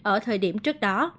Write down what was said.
ở thời điểm trước đó